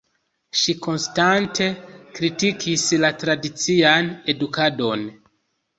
Ŝi konstante kritikis la tradician edukadon.